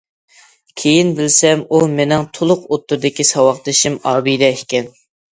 كېيىن بىلسەم ئۇ مېنىڭ تولۇق ئوتتۇرىدىكى ساۋاقدىشىم ئابىدە ئىكەن.